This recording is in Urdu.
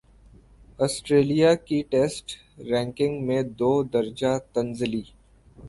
اسٹریلیا کی ٹیسٹ رینکنگ میں دو درجہ تنزلی